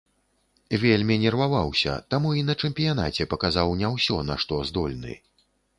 Вельмі нерваваўся, таму і на чэмпіянаце паказаў не ўсё, на што здольны.